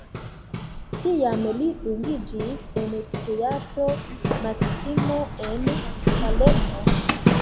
Tiam li dungiĝis en Teatro Massimo en Palermo.